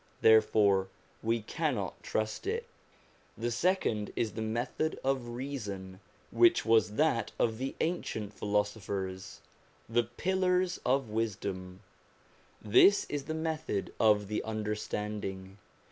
Therefore we cannot trust it. The second is the method of reason, which was that of the ancient philosophers, the pillars of wisdom ; this is the method of the understanding.